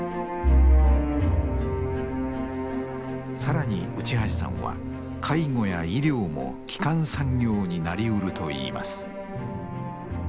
更に内橋さんは介護や医療も基幹産業になりうると言います。